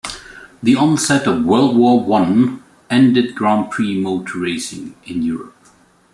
The onset of World War One ended Grand Prix motor racing in Europe.